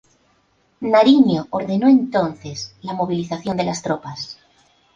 Nariño ordenó entonces la movilización de las tropas.